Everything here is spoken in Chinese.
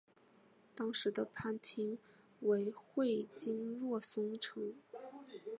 当时的藩厅为会津若松城。